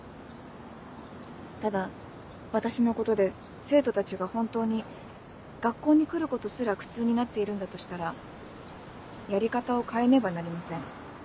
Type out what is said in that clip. ただ私のことで生徒たちが本当に学校に来ることすら苦痛になっているんだとしたらやり方を変えねばなりません。